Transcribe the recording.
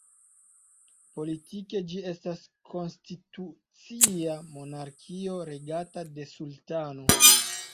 Politike ĝi estas konstitucia monarkio, regata de sultano.